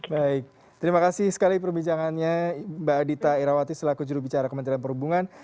baik terima kasih sekali perbincangannya mbak adita irawati selaku jurubicara kementerian perhubungan